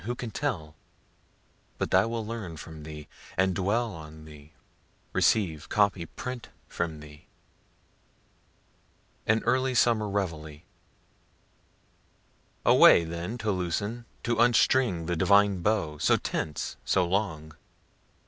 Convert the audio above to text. who can tell?) but I will learn from thee, and dwell on thee receive, copy, print from thee. AN EARLY SUMMER REVEILLE Away then to loosen, to unstring the divine bow, so tense, so long.